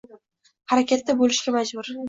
harakatda bo‘lishga majbur.